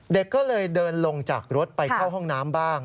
เด็กก็เลยเดินลงจากรถไปเข้าห้องน้ำบ้าง